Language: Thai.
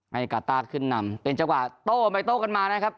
ให้กาต้าขึ้นนำเป็นจังหวะโต้ไปโต้กันมานะครับ